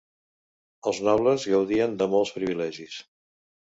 Els nobles gaudien de molts privilegis.